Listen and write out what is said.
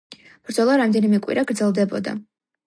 ბრძოლა რამდენიმე კვირა გრძელდებოდა.